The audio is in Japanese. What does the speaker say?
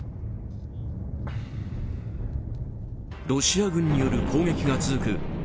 ロシア軍による攻撃が続く